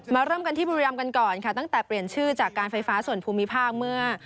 เริ่มกันที่บุรีรำกันก่อนค่ะตั้งแต่เปลี่ยนชื่อจากการไฟฟ้าส่วนภูมิภาคเมื่อ